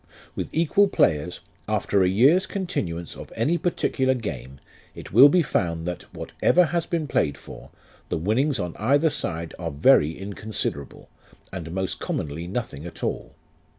"With equal players, after a year's continuance of any particular game it will be found that, whatever has been played for, the winnings on either side are very inconsiderable, and most commonly nothing at all.